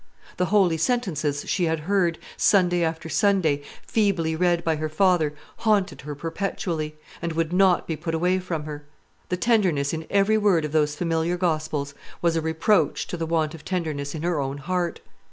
The holy sentences she had heard, Sunday after Sunday, feebly read by her father, haunted her perpetually, and would not be put away from her. The tenderness in every word of those familiar gospels was a reproach to the want of tenderness in her own heart.